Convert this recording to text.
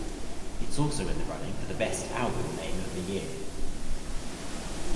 It’s also in the running for the best album name of the year.